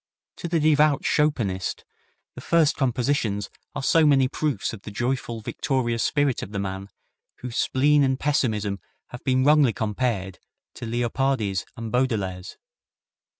To the devout Chopinist the first compositions are so many proofs of the joyful, victorious spirit of the man whose spleen and pessimism have been wrongfully compared to Leopardi's and Baudelaire's.